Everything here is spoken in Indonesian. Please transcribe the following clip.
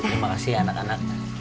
terima kasih anak anak